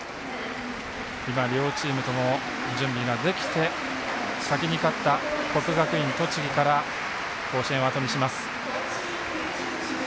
両チームとも準備ができて先に勝った、国学院栃木から甲子園をあとにします。